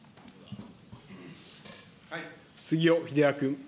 杉尾秀哉君。